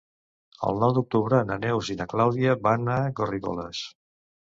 El nou d'octubre na Neus i na Clàudia van a Garrigoles.